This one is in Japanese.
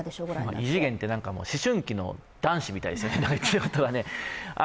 異次元って、思春期の男子みたいですよね、言ってることは。